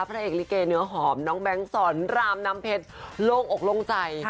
พระเอกลิเกเนื้อหอมน้องแบงค์สอนรามน้ำเพชรโล่งอกโล่งใจ